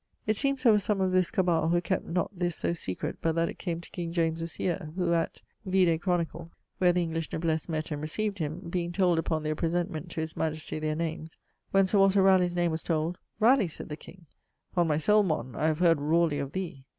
It seemes there were some of this caball who kept not this so secret but that it came to king James's eare; who at ... (vide Chronicle) where the English noblesse mett and recieved him, being told upon their presentment to his majesty their names, when Sir Walter Raleigh's name was told ('Ralegh') said the king 'On my soule, mon, I have heard rawly of thee.'